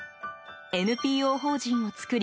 ＮＰＯ法人を作り